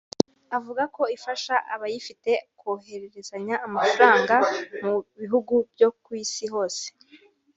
Avuga ko ifasha abayifite kohererezanya amafaranga mu bihugu byo ku Isi hose